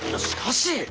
しかし。